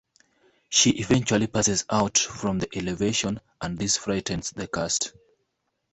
She eventually passes out from the elevation, and this frightens the cast.